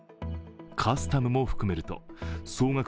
カスタムも含めると、総額